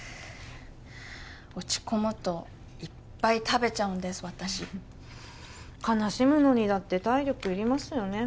落ち込むといっぱい食べちゃうんです私悲しむのにだって体力いりますよね